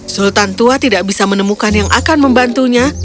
sultan tua tidak bisa menemukan yang akan membantunya